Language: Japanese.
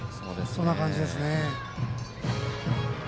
そんな感じですね。